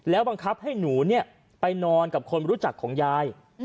บังคับให้หนูไปนอนกับคนรู้จักของยาย